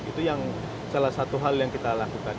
itu yang salah satu hal yang kita lakukan